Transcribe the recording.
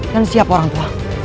dan siapa orang tua